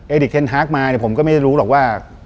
เด็กเทนฮาร์กมาเนี่ยผมก็ไม่รู้หรอกว่า